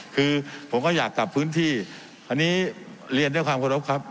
คือผมก็อยากกลับพื้นที่อันนี้เรียนด้วยความเคารพครับ